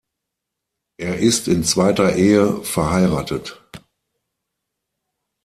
Er ist in zweiter Ehe verheiratet.